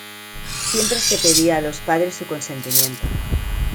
Siempre se pedía a los padres su consentimiento.